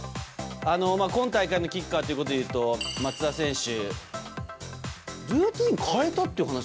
今大会のキッカーということでいうと松田選手。